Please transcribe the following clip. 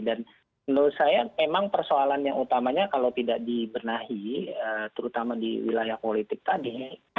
dan menurut saya memang persoalan yang utamanya kalau tidak dibenahi terutama di wilayah politik tadi